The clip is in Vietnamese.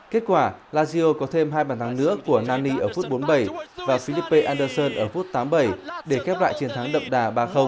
kết quả lazio có thêm hai bàn thắng nữa của nani ở phút bốn mươi bảy và philippe anderson ở phút tám mươi bảy để kép lại chiến thắng đậm đà ba